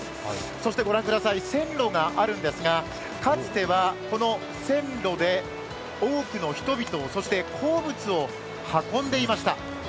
そしてご覧ください、線路があるんですが、かつてはこの線路で多くの人々、そして鉱物を運んでいました。